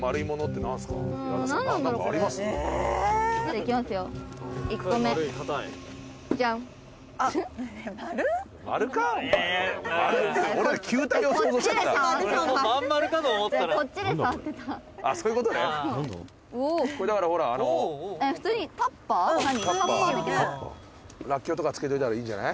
長谷川：「らっきょうとか漬けておいたらいいんじゃない？」